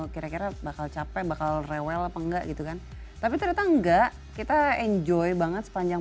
kira kira bakal capek bakal rewel apa enggak gitu kan tapi ternyata enggak kita enjoy banget sepanjang